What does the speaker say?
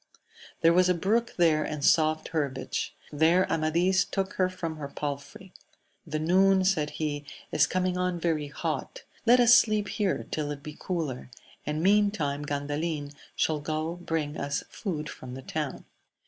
There was a brook there and soft herbage ; there Amadis took her from her palfrey : The noon, said he, is coming on very hot, let us sleep here till it be cooler, and meantime Gandalin shall go bring us food from the town.